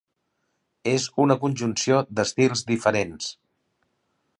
És una conjunció d'estils diferents.